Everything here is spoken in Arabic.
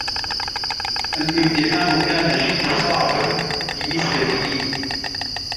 الامتحان كان جد صعب بنسبتي لي.